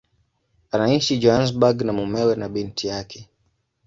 Anaishi Johannesburg na mumewe na binti yake.